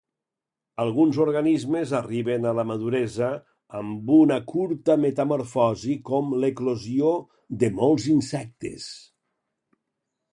Alguns organismes arriben a la maduresa amb una curta metamorfosi com l'eclosió de molts insectes.